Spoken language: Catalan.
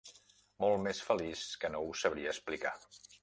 Molt més feliç que no us sabria explicar